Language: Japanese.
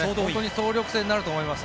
総力戦になると思います。